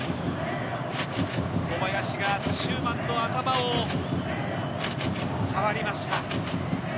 小林が中馬の頭を触りました。